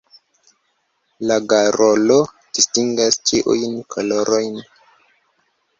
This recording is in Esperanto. La garolo distingas ĉiujn kolorojn.